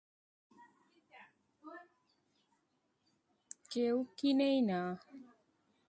কেউ কিনেই না।